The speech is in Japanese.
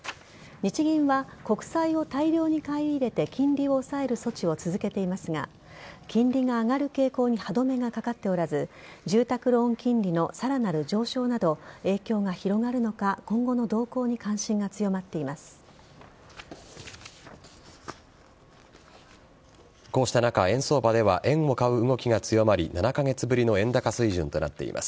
日銀は国債を大量に買い入れて金利を抑える措置を続けていますが金利が上がる傾向に歯止めがかかっておらず住宅ローン金利のさらなる上昇など影響が広がるのか今後の動向に関心が強まっています。